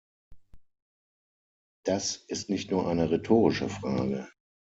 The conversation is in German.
Das ist nicht nur eine rhetorische Frage.